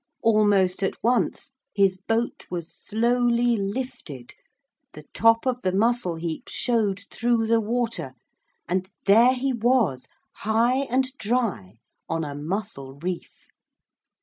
Almost at once his boat was slowly lifted the top of the mussel heap showed through the water, and there he was, high and dry on a mussel reef.